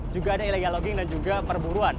juga ada illegal logging dan juga perburuan